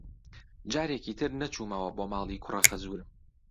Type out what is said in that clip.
جارێکی تر نەچوومەوە بۆ ماڵی کوڕەخەزوورم.